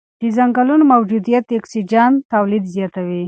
د ځنګلونو موجودیت د اکسیجن تولید زیاتوي.